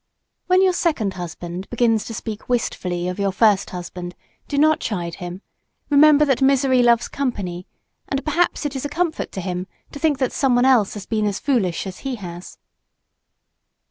When your second husband begins to speak wistfully of your first husband, do not chide him; remember that misery loves company, and perhaps it is a comfort to him to think that some one else has been as foolish as he has.